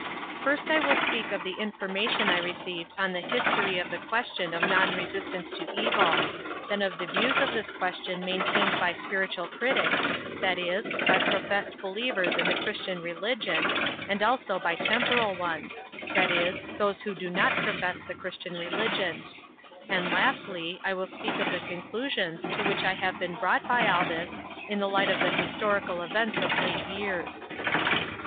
First I will speak of the information I received on the history of the question of non resistance to evil; then of the views of this question maintained by spiritual critics, that is, by professed believers in the Christian religion, and also by temporal ones, that is, those who do not profess the Christian religion; and lastly I will speak of the conclusions to which I have been brought by all this in the light of the historical events of late years.